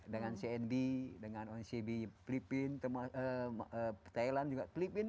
dengan cnb dengan oncb thailand juga